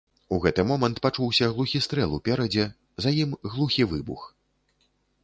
У гэты момант пачуўся глухі стрэл уперадзе, за ім глухі выбух.